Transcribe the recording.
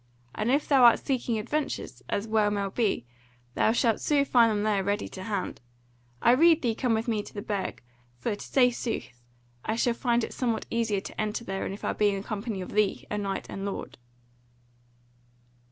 And if thou art seeking adventures, as may well be, thou shalt soon find them there ready to hand. I rede thee come with me to the Burg; for, to say sooth, I shall find it somewhat easier to enter therein if I be in the company of thee, a knight and a lord."